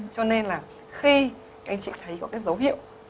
cho nên là khi anh chị thấy có cái dấu hiệu